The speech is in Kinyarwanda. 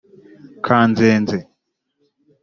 kanzenze